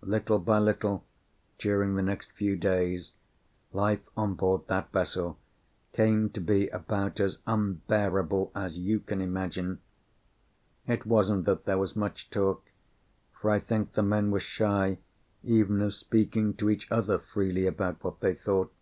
Little by little during the next few days life on board that vessel came to be about as unbearable as you can imagine. It wasn't that there was much talk, for I think the men were shy even of speaking to each other freely about what they thought.